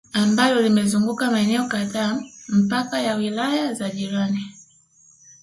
Ambalo limezunguka maeneo kadhaa mpaka ya wilaya za jirani